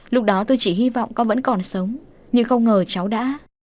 lúc đó tôi chỉ hy vọng con vẫn còn sống nhưng không ngờ cháu đã